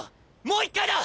もう一回だ！